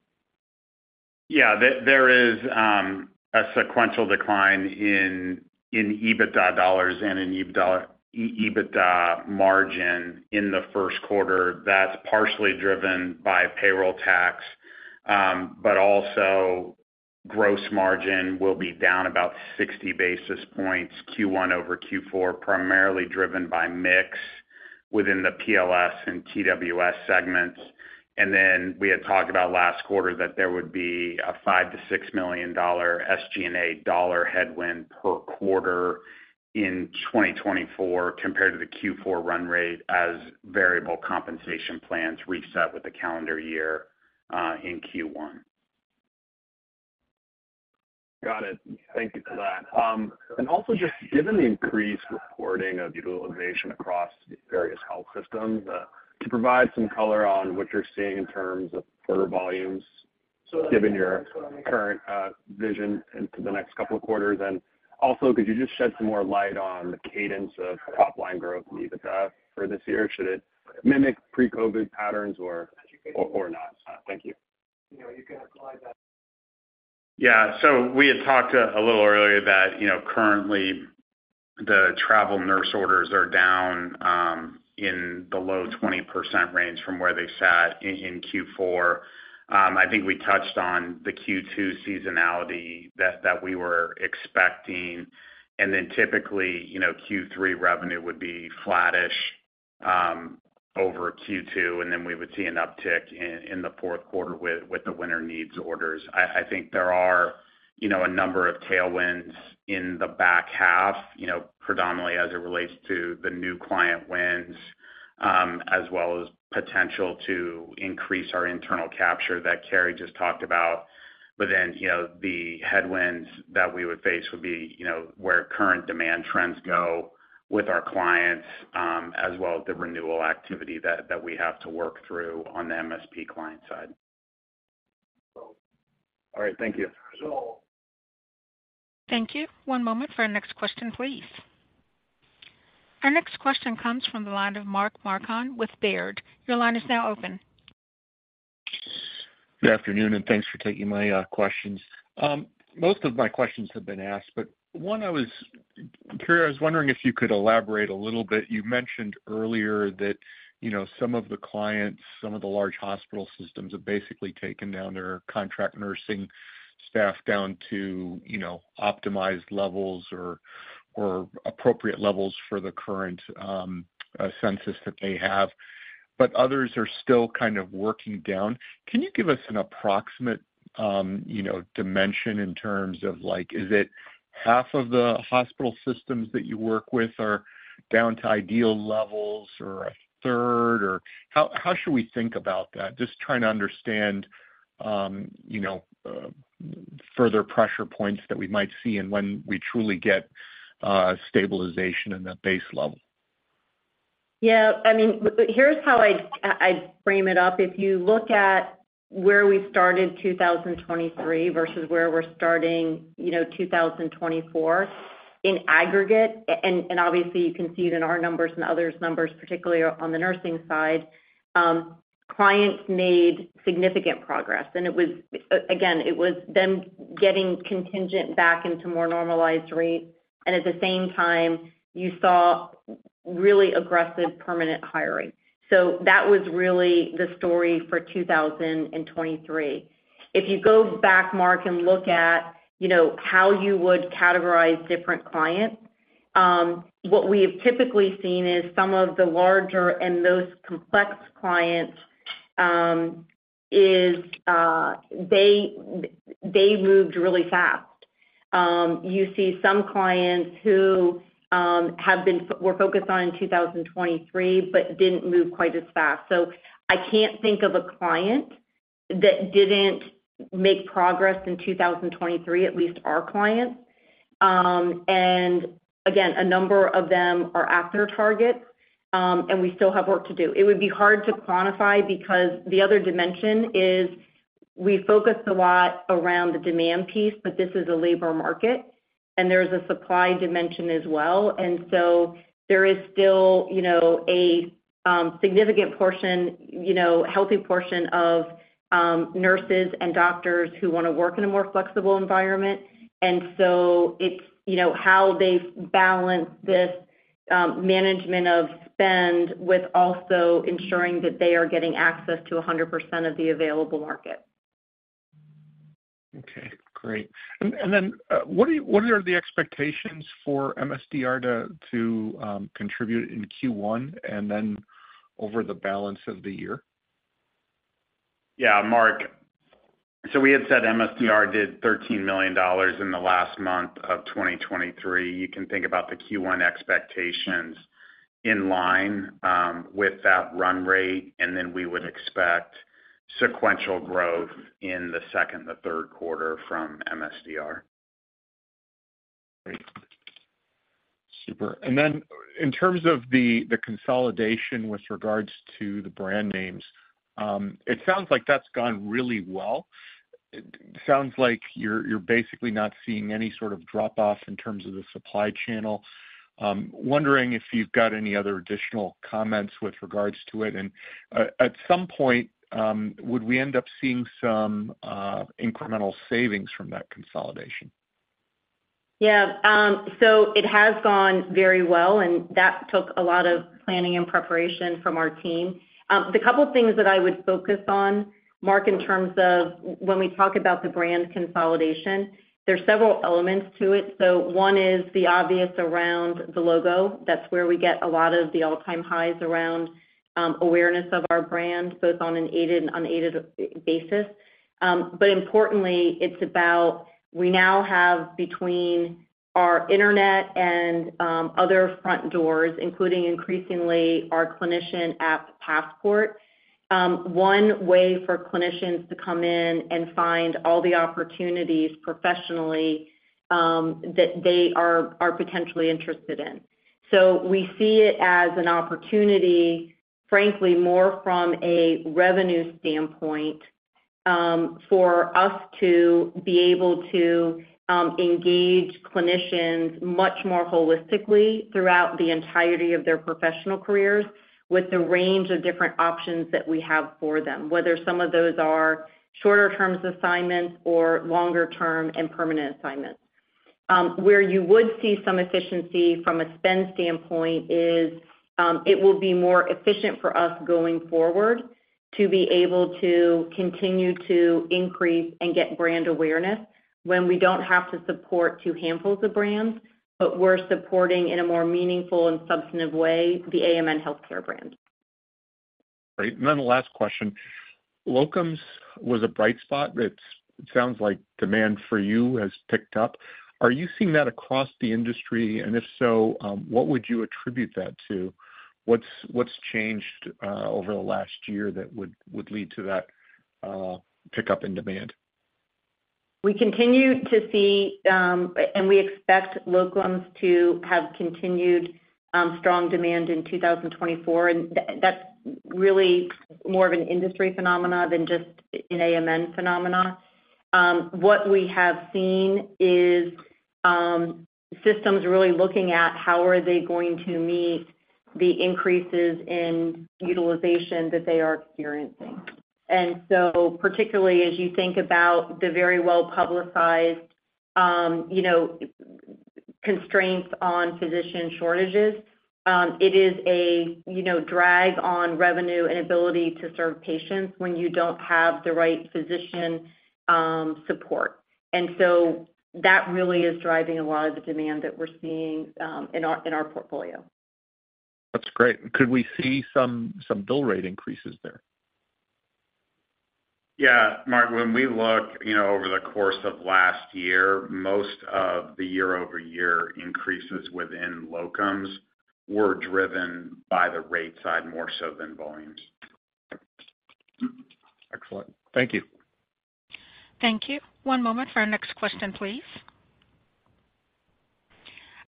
Yeah. There, there is a sequential decline in EBITDA dollars and in EBITDA margin in the first quarter. That's partially driven by payroll tax, but also gross margin will be down about 60 basis points Q1 over Q4, primarily driven by mix within the PLS and TWS segments. And then we had talked about last quarter that there would be a $5 million-$6 million SG&A dollar headwind per quarter in 2024 compared to the Q4 run rate as variable compensation plans reset with the calendar year in Q1. Got it. Thank you for that. And also just given the increased reporting of utilization across various health systems, can you provide some color on what you're seeing in terms of further volumes, given your current vision into the next couple of quarters? And also, could you just shed some more light on the cadence of top line growth in EBITDA for this year? Should it mimic pre-COVID patterns or, or not? Thank you. Yeah. So we had talked a little earlier that, you know, currently the travel nurse orders are down in the low 20% range from where they sat in Q4. I think we touched on the Q2 seasonality that we were expecting. And then typically, you know, Q3 revenue would be flattish over Q2, and then we would see an uptick in the fourth quarter with the winter needs orders. I think there are, you know, a number of tailwinds in the back half, you know, predominantly as it relates to the new client wins, as well as potential to increase our internal capture that Cary just talked about. But then, you know, the headwinds that we would face would be, you know, where current demand trends go with our clients, as well as the renewal activity that we have to work through on the MSP client side. All right. Thank you. Thank you. One moment for our next question, please. Our next question comes from the line of Mark Marcon with Baird. Your line is now open. Good afternoon, and thanks for taking my questions. Most of my questions have been asked, but one I was—Cary, I was wondering if you could elaborate a little bit. You mentioned earlier that, you know, some of the clients, some of the large hospital systems, have basically taken down their contract nursing staff down to, you know, optimized levels or, or appropriate levels for the current census that they have, but others are still kind of working down. Can you give us an approximate, you know, dimension in terms of like, is it half of the hospital systems that you work with are down to ideal levels or a third? Or how should we think about that? Just trying to understand, you know, further pressure points that we might see and when we truly get stabilization in the base level. Yeah. I mean, here's how I'd, I'd frame it up. If you look at where we started 2023 versus where we're starting, you know, 2024, in aggregate, and obviously, you can see it in our numbers and others' numbers, particularly on the nursing side, clients made significant progress. And it was, again, it was them getting contingent back into more normalized rates, and at the same time, you saw really aggressive permanent hiring. So that was really the story for 2023. If you go back, Mark, and look at, you know, how you would categorize different clients, what we have typically seen is some of the larger and most complex clients, is, they, they moved really fast. You see some clients who were focused on in 2023, but didn't move quite as fast. So I can't think of a client that didn't make progress in 2023, at least our clients. And again, a number of them are at their target, and we still have work to do. It would be hard to quantify because the other dimension is we focus a lot around the demand piece, but this is a labor market, and there is a supply dimension as well. And so there is still, you know, a significant portion, you know, healthy portion of nurses and doctors who want to work in a more flexible environment. So it's, you know, how they balance this management of spend with also ensuring that they are getting access to 100% of the available market. Okay, great. And then, what are the expectations for MSDR to contribute in Q1 and then over the balance of the year? Yeah, Mark, so we had said MSDR did $13 million in the last month of 2023. You can think about the Q1 expectations in line with that run rate, and then we would expect sequential growth in the second and the third quarter from MSDR. Great. Super. And then in terms of the, the consolidation with regards to the brand names, it sounds like that's gone really well. It sounds like you're, you're basically not seeing any sort of drop-off in terms of the supply channel. Wondering if you've got any other additional comments with regards to it. And, at some point, would we end up seeing some, incremental savings from that consolidation? Yeah, so it has gone very well, and that took a lot of planning and preparation from our team. The couple of things that I would focus on, Mark, in terms of when we talk about the brand consolidation, there's several elements to it. So one is the obvious around the logo. That's where we get a lot of the all-time highs around, awareness of our brand, both on an aided and unaided basis. But importantly, it's about we now have between our internet and, other front doors, including increasingly our clinician app, Passport, one way for clinicians to come in and find all the opportunities professionally, that they are potentially interested in. So we see it as an opportunity, frankly, more from a revenue standpoint, for us to be able to engage clinicians much more holistically throughout the entirety of their professional careers, with the range of different options that we have for them, whether some of those are shorter terms assignments or longer term and permanent assignments. Where you would see some efficiency from a spend standpoint is, it will be more efficient for us going forward to be able to continue to increase and get brand awareness when we don't have to support two handfuls of brands, but we're supporting in a more meaningful and substantive way, the AMN Healthcare brand. Great. And then the last question: Locums was a bright spot. It sounds like demand for you has picked up. Are you seeing that across the industry? And if so, what would you attribute that to? What's changed over the last year that would lead to that pickup in demand? We continue to see, and we expect locums to have continued, strong demand in 2024, and that's really more of an industry phenomenon than just an AMN phenomenon. What we have seen is, systems really looking at how are they going to meet the increases in utilization that they are experiencing. And so, particularly as you think about the very well-publicized, you know, constraints on physician shortages, it is a, you know, drag on revenue and ability to serve patients when you don't have the right physician, support. And so that really is driving a lot of the demand that we're seeing, in our portfolio. That's great. Could we see some, some bill rate increases there? Yeah, Mark, when we look, you know, over the course of last year, most of the year-over-year increases within locums were driven by the rate side more so than volumes. Excellent. Thank you. Thank you. One moment for our next question, please.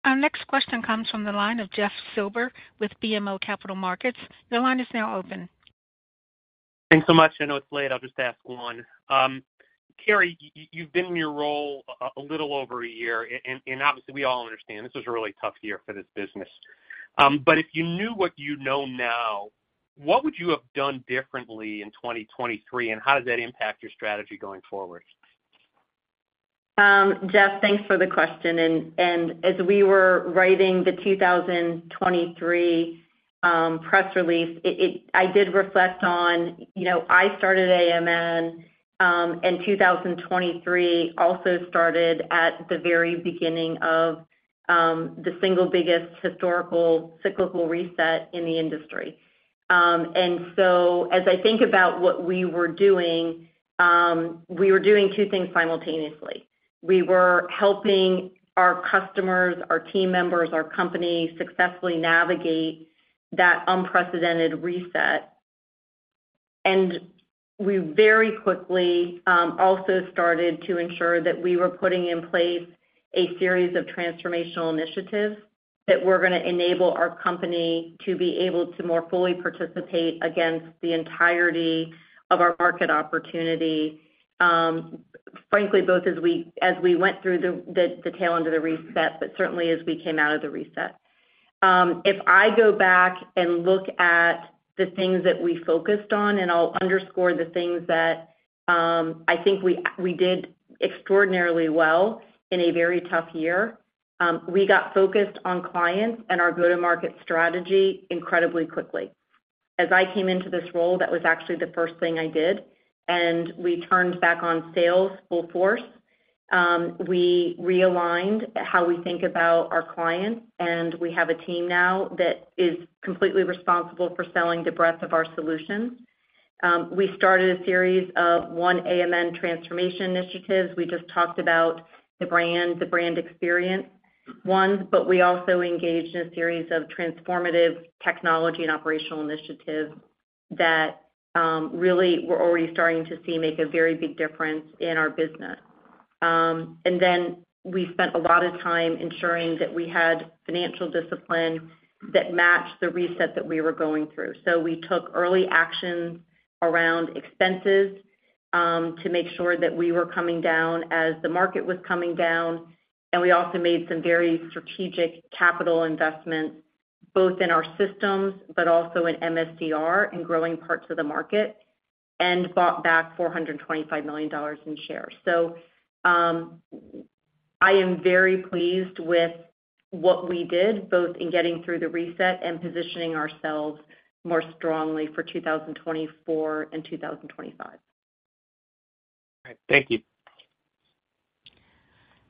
Our next question comes from the line of Jeff Silber with BMO Capital Markets. The line is now open. Thanks so much. I know it's late. I'll just ask one. Cary, you've been in your role a little over a year, and obviously, we all understand this was a really tough year for this business. But if you knew what you know now, what would you have done differently in 2023, and how does that impact your strategy going forward? Jeff, thanks for the question. And, and as we were writing the 2023 press release, it, it... I did reflect on, you know, I started AMN, and 2023 also started at the very beginning of the single biggest historical cyclical reset in the industry. And so as I think about what we were doing, we were doing two things simultaneously. We were helping our customers, our team members, our company, successfully navigate that unprecedented reset. And we very quickly also started to ensure that we were putting in place a series of transformational initiatives that were gonna enable our company to be able to more fully participate against the entirety of our market opportunity, frankly, both as we, as we went through the, the tail end of the reset, but certainly as we came out of the reset. If I go back and look at the things that we focused on, and I'll underscore the things that, I think we, we did extraordinarily well in a very tough year, we got focused on clients and our go-to-market strategy incredibly quickly. As I came into this role, that was actually the first thing I did, and we turned back on sales full force. We realigned how we think about our clients, and we have a team now that is completely responsible for selling the breadth of our solutions. We started a series of OneAMN transformation initiatives. We just talked about the brand, the brand experience ones, but we also engaged in a series of transformative technology and operational initiatives that, really we're already starting to see make a very big difference in our business. And then we spent a lot of time ensuring that we had financial discipline that matched the reset that we were going through. So we took early action around expenses, to make sure that we were coming down as the market was coming down, and we also made some very strategic capital investments, both in our systems but also in MSDR and growing parts of the market and bought back $425 million in shares. So, I am very pleased with what we did, both in getting through the reset and positioning ourselves more strongly for 2024 and 2025. All right. Thank you.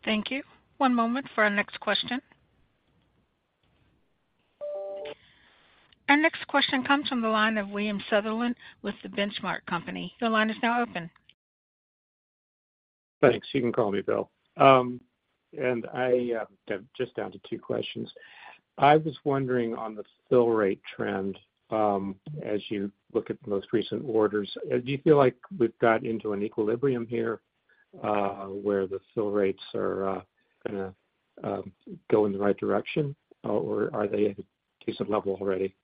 Thank you. One moment for our next question. Our next question comes from the line of William Sutherland with The Benchmark Company. Your line is now open. Thanks. You can call me Bill. And I'm just down to two questions. I was wondering, on the fill rate trend, as you look at the most recent orders, do you feel like we've gotten into an equilibrium here, where the fill rates are gonna go in the right direction, or are they at a decent level already?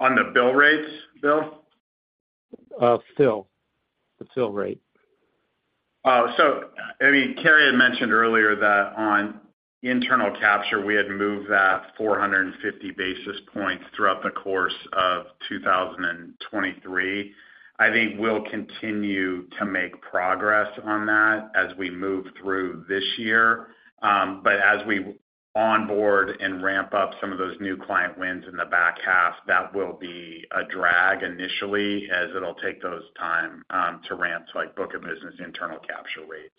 On the bill rates, Bill? The fill rate. Oh, so, I mean, Cary had mentioned earlier that on internal capture, we had moved that 450 basis points throughout the course of 2023. I think we'll continue to make progress on that as we move through this year. But as we onboard and ramp up some of those new client wins in the back half, that will be a drag initially, as it'll take those time to ramp, so like book of business, internal capture rates.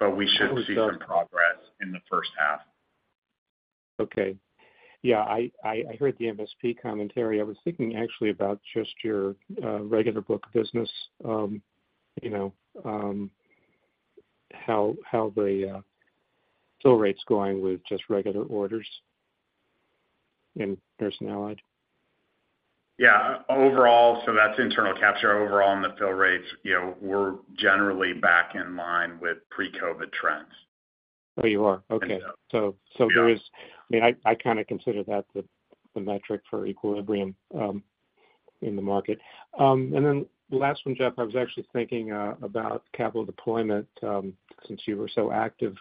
But we should see some progress in the first half. Okay. Yeah, I heard the MSP commentary. I was thinking actually about just your regular book of business, you know, how the fill rate's going with just regular orders in Nurse and Allied. Yeah. Overall, so that's internal capture. Overall, on the fill rates, you know, we're generally back in line with pre-COVID trends. Oh, you are? Okay. Yeah. So, there is- Yeah. I mean, I kind of consider that the metric for equilibrium in the market. And then the last one, Jeff, I was actually thinking about capital deployment, since you were so active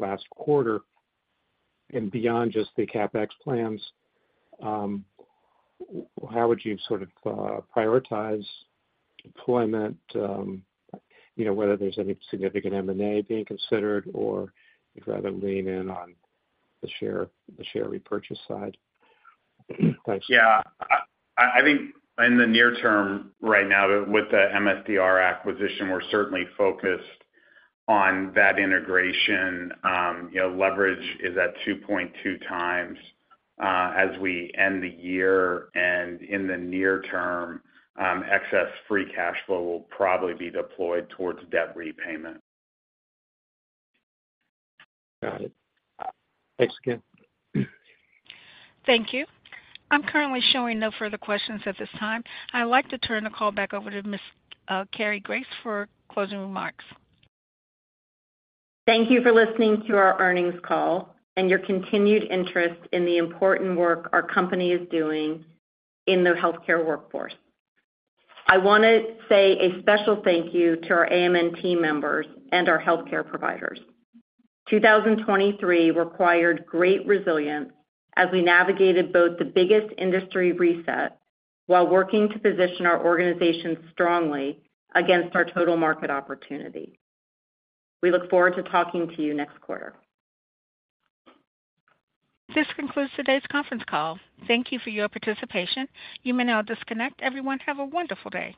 last quarter and beyond just the CapEx plans, how would you sort of prioritize deployment? You know, whether there's any significant M&A being considered or you'd rather lean in on the share repurchase side? Thanks. Yeah. I, I think in the near term, right now, with the MSDR acquisition, we're certainly focused on that integration. You know, leverage is at 2.2x as we end the year, and in the near term, excess free cash flow will probably be deployed towards debt repayment. Got it. Thanks again. Thank you. I'm currently showing no further questions at this time. I'd like to turn the call back over to Ms. Cary Grace for closing remarks. Thank you for listening to our earnings call and your continued interest in the important work our company is doing in the healthcare workforce. I wanna say a special thank you to our AMN team members and our healthcare providers. 2023 required great resilience as we navigated both the biggest industry reset while working to position our organization strongly against our total market opportunity. We look forward to talking to you next quarter. This concludes today's conference call. Thank you for your participation. You may now disconnect. Everyone, have a wonderful day.